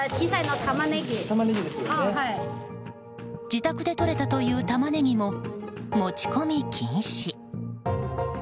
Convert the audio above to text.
自宅でとれたというタマネギも持ち込み禁止。